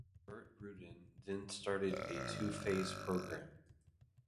Burt Rutan then started a two-phase program.